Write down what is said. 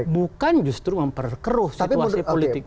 bukan justru memperkeruh situasi politik